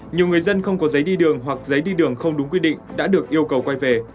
nhiều người dân không có giấy đi đường hoặc giấy đi đường không đúng quy định đã được yêu cầu quay về